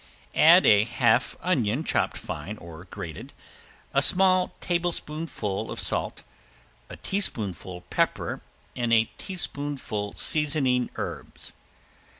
Add a half onion chopped fine or grated, a tablespoonful of salt, a teaspoonful pepper and a teaspoonful seasoning herbs.